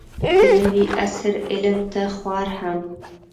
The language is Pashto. د نوي عصر علم ته خوار هم